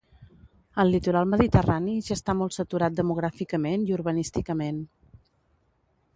El litoral mediterrani ja està molt saturat demogràficament i urbanísticament.